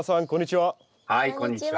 はいこんにちは。